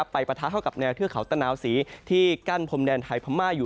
ปะทะเข้ากับแนวเทือกเขาตะนาวศรีที่กั้นพรมแดนไทยพม่าอยู่